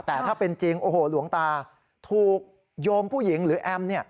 แต่ถ้าเป็นจริงหลวงตาถูกโยมผู้หญิงหรือแอมร์